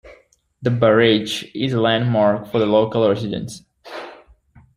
The barrage is a landmark for the local residents.